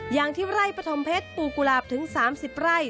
อย่างที่ไร่ปฐมเพชรปูกุหลาบถึง๓๐ไร่